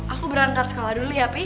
aku berangkat sekolah dulu ya pi